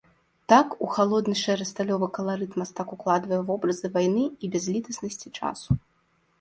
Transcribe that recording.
Так, у халодны, шэра-сталёвы каларыт мастак укладвае вобразы вайны і бязлітаснасці часу.